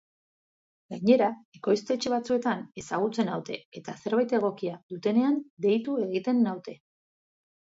Gainera, ekoiztetxe batzuetan ezagutzen naute eta zerbait egokia dutenean deitu egiten naute.